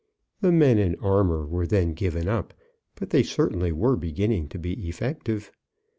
The men in armour were then given up, but they certainly were beginning to be effective.